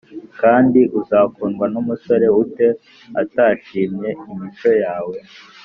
kandi uzakundwa n umusore ute atashimye imico yawe?